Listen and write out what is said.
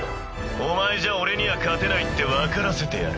お前じゃ俺には勝てないって分からせてやる。